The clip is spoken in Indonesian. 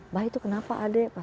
mbak itu kenapa adek